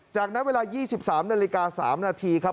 จากนั้นเวลา๒๓นาฬิกา๓นาทีครับ